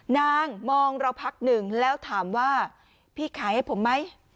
มองเราพักหนึ่งแล้วถามว่าพี่ขายให้ผมไหม